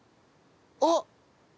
あっ！